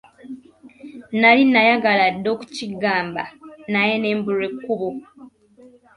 Nali nayagala dda okukiggamba naye ne mbulwa ekkubo!